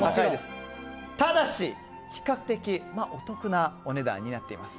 ただし、比較的お得なお値段になっています。